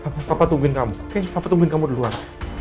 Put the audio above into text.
papa tungguin kamu oke papa tungguin kamu dulu pak